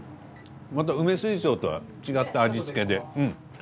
また梅水晶とは違った味付けで。